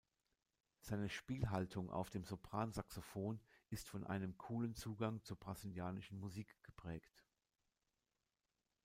Seine Spielhaltung auf Sopransaxophon ist von einem coolen Zugang zur brasilianischen Musik geprägt.